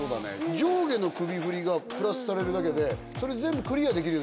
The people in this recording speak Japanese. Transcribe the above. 上下の首振りがプラスされるだけでそれ全部クリアできるような。